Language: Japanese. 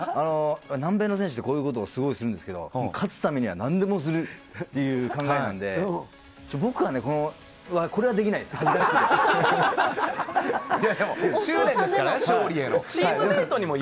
南米の選手ってこういうことをすごくするんですけれど、勝つためには何でもするっていう考えなので、僕はこれはできないです、さすがに。